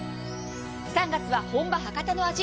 ３月は本場・博多の味